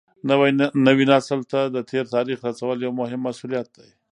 نوي نسل ته د تېر تاریخ رسول یو مهم مسولیت دی.